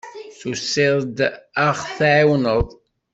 Tusiḍ-d ad ɣ-tɛiwneḍ?